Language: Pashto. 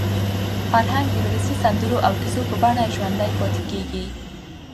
فرهنګ د ولسي سندرو او کیسو په بڼه ژوندي پاتې کېږي.